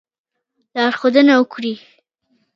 لارښودنه وکړي.